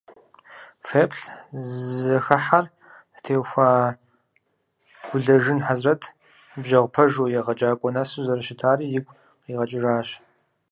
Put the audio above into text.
Фэеплъ зэхыхьэр зытеухуа Гулэжын Хьэзрэт ныбжьэгъу пэжу, егъэджакӏуэ нэсу зэрыщытари игу къигъэкӏыжащ.